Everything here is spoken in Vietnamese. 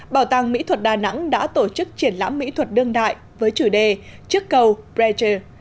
bảo tàng mỹ thuật đà nẵng đã tổ chức triển lãm mỹ thuật đương đại với chủ đề trước cầu breter